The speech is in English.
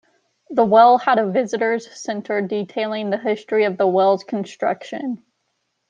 The well had a visitor's center detailing the history of the well's construction.